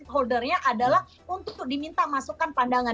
holdernya adalah untuk diminta masukkan pandangan